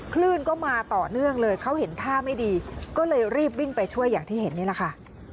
คลื่นก็มาต่อเนื่องเลยเขาเห็นท่าไม่ดีก็เลยรีบวิ่งไปช่วยอย่างที่เห็นนี่แหละค่ะ